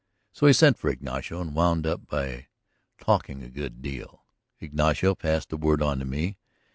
So he sent for Ignacio and wound up by talking a good deal. Ignacio passed the word on to me.